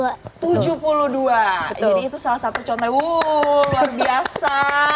waduh luar biasa